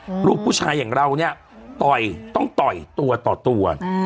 อืมลูกผู้ชายอย่างเราเนี้ยต่อยต้องต่อยตัวต่อตัวอืม